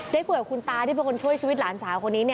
ได้คุยกับคุณตาที่เป็นคนช่วยชีวิตหลานสาวคนนี้